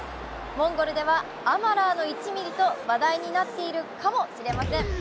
モンゴルではアマラーの１ミリと話題になっているかもしれません。